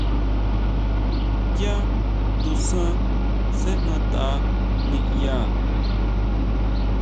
Yá tusan sejna tʼa niʼya.